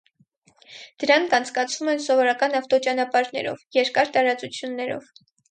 Դրանք անցկացվում են սովորական ավտոճանապարհներով, երկար տարածություններով։